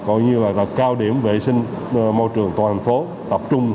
gọi như là đợt cao điểm vệ sinh môi trường toàn thành phố tập trung